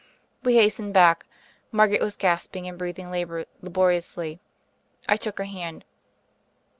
We hastened back. Margaret was gasping, and breathing laboriously. I took her hand.